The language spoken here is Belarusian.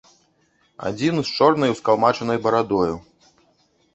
Адзін з чорнай ускалмачанай барадою.